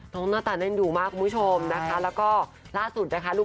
น้องน้าตันเน่นอู้หูมาก